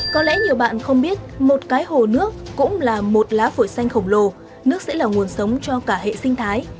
có lẽ nhiều bạn không biết một cái hồ nước cũng là một lá phổi xanh khổng lồ nước sẽ là nguồn sống cho cả hệ sinh thái